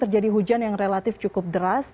terjadi hujan yang relatif cukup deras